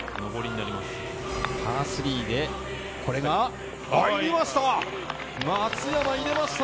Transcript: パー３でこれが入りました！